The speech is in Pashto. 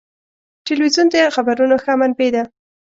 تلویزیون د خبرونو ښه منبع ده.